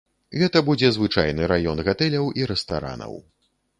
Гэта будзе звычайны раён гатэляў і рэстаранаў.